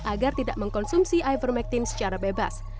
agar tidak mengkonsumsi ivermectin secara bebas